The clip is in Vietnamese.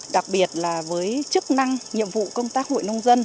đặc biệt là với chức năng nhiệm vụ công tác hội nông dân